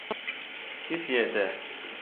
Chi siete?